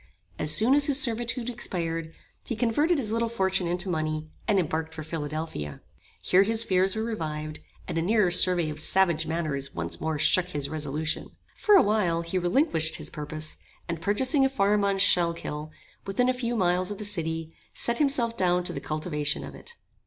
As soon as his servitude expired, he converted his little fortune into money, and embarked for Philadelphia. Here his fears were revived, and a nearer survey of savage manners once more shook his resolution. For a while he relinquished his purpose, and purchasing a farm on Schuylkill, within a few miles of the city, set himself down to the cultivation of it.